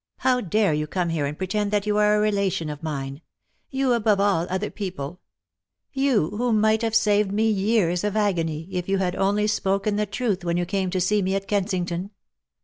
How dare you come here and pretend that you are a relation of mine ? You above all other people ! You who might have saved me years of agony if you had only spoken the truth when you came to see me at Kensington